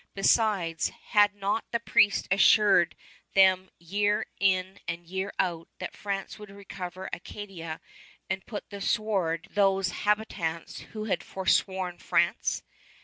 Besides, had not the priest assured them year in and year out that France would recover Acadia and put to the sword those habitants who had forsworn France?